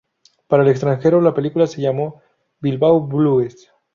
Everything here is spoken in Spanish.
Para el extranjero la película se llamó Bilbao Blues.